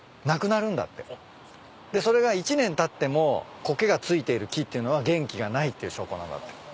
それが１年たってもコケが付いている木っていうのは元気がないっていう証拠なんだって。